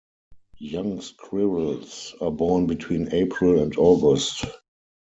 Young squirrels are born between April and August.